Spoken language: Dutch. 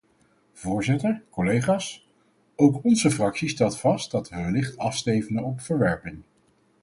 Voorzitter, collega's, ook onze fractie stelt vast dat we wellicht afstevenen op verwerping.